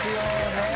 ねえ。